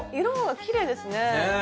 色がきれいですね。